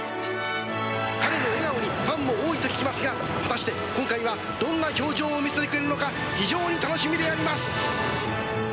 彼の笑顔にファンも多いと聞きますが果たして今回はどんな表情を見せてくれるのか非常に楽しみであります。